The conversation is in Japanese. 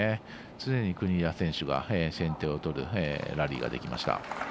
常に国枝選手が先手を取るラリーができました。